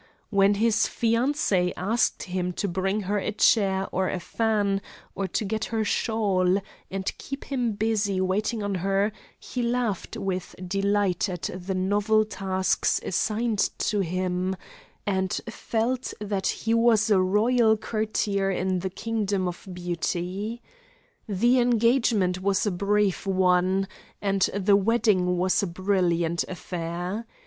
When his fiancée asked him to bring her a chair or a fan or to get her shawl, and kept him busy waiting on her he laughed with delight at the novel tasks assigned to him, and felt that he was a royal courtier in the kingdom of beauty. The engagement was a brief one; and the wedding was a brilliant affair.